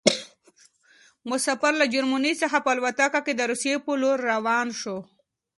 مسافر له جرمني څخه په الوتکه کې د روسيې په لور روان شو.